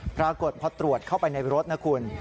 ปรากฏพอตรวจเข้าไปในรถนะคุณ